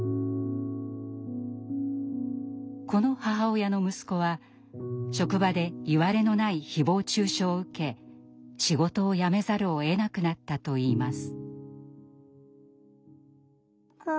この母親の息子は職場でいわれのない誹謗中傷を受け仕事を辞めざるをえなくなったといいます。